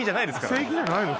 聖域じゃないの？